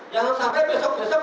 jangan sampai besok besok